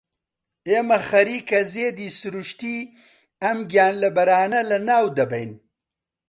ئێمە خەریکە زێدی سروشتیی ئەم گیانلەبەرانە لەناو دەبەین.